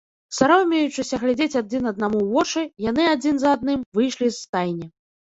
Саромеючыся глядзець адзін аднаму ў вочы, яны, адзін за адным, выйшлі з стайні.